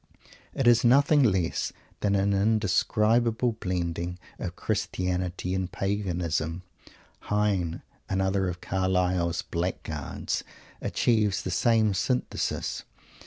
It is nothing less than an indescribable blending of Christianity and Paganism. Heine, another of Carlyle's "blackguards," achieves the same synthesis.